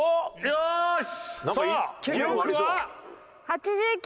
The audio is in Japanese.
よし！